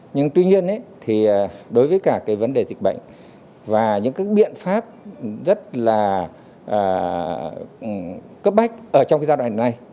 nhưng tuy nhiên đối với cả vấn đề dịch bệnh và những biện pháp rất là cấp bách trong giai đoạn này